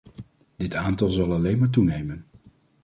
Dit aantal zal alleen maar toenemen.